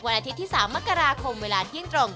อาทิตย์ที่๓มกราคมเวลาเที่ยงตรง